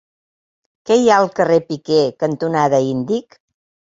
Què hi ha al carrer Piquer cantonada Índic?